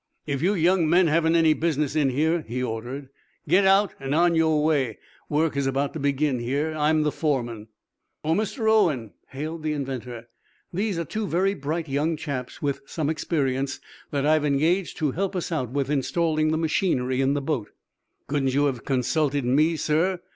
"If you young men haven't any business in here," he ordered, "get out and on your way. Work is about to begin here. I'm the foreman." "Oh, Mr. Owen," hailed the inventor, "these are two very bright young chaps, with some experience, that I've engaged to help us out with installing the machinery in the boat." "Couldn't you have consulted me, sir?"